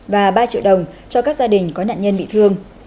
và ba triệu đồng cho các gia đình có nạn nhân bị thương